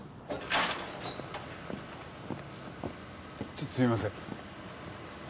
ちょっとすみません。